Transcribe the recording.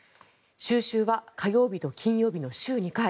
収集は火曜日と金曜日の週２回。